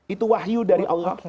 itu wahyu dari allah